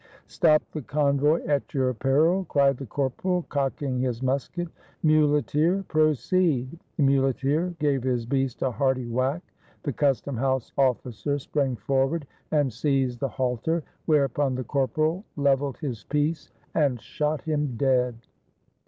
"Stop the convoy at your peril!" cried the corporal, cocking his musket. "Muleteer, proceed." The muleteer gave his beast a hearty whack; the 469 SPAIN custom house officer sprang forward and seized the halter; whereupon the corporal leveled his piece and shot him dead.